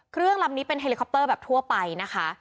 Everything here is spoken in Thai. ลำนี้เป็นเฮลิคอปเตอร์แบบทั่วไปนะคะ